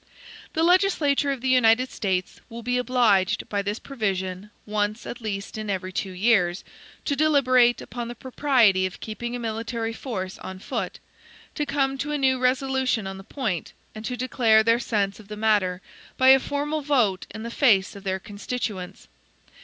The legislature of the United States will be OBLIGED, by this provision, once at least in every two years, to deliberate upon the propriety of keeping a military force on foot; to come to a new resolution on the point; and to declare their sense of the matter, by a formal vote in the face of their constituents.